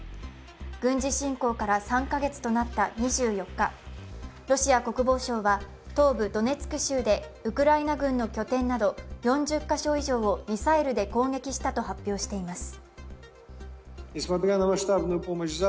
軍事侵攻から３カ月となった２４日、ロシア国防省は東部ドネツク州でウクライナ軍の拠点など４０カ所以上をミサイルで攻撃したと発表しています。